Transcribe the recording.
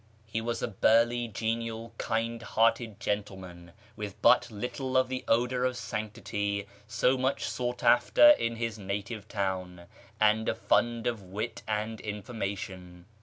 He was a burly, genial, KIRMAn society 437 kind hearted gentleman, with but little of the odour of sanctity so much sought after in his native town, and a fund of wit and information.